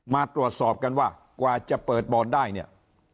มาตรวจสอบกันว่ากว่าจะเปิดบอลได้เนี่ย